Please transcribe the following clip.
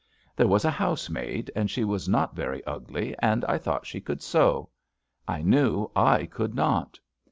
There was a housemaid, and she was not very ugly, and I thought she could sew. I knew I could not.